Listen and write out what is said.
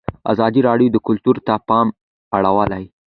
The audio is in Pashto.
ازادي راډیو د کلتور ته پام اړولی.